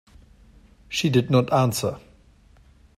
She did not answer.